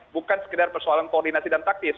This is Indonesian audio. bukan sekedar persoalan koordinasi dan taktis